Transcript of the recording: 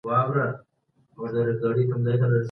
حرام حلال بلل يا حلال حرام بلل کفر دی